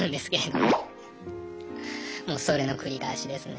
もうそれの繰り返しですね。